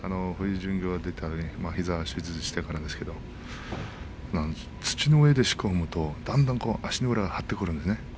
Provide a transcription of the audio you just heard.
巡業で膝の手術をしてからですけれど土の上でしこを踏むと足の裏が張ってくるんですね。